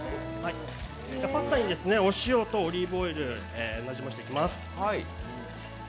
パスタにお塩とオリーブオイルをなじませていきます。